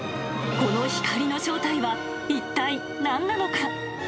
この光の正体は一体なんなのか。